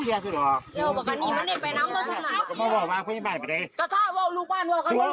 ผมเข้าไปกับน้องผมพี่ไปกับน้องผม๒คนที่ไหน